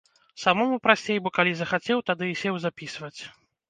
Самому прасцей, бо калі захацеў, тады і сеў запісваць.